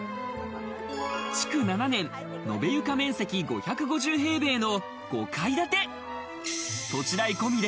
築７年、延床面積５５０平米の５階建て。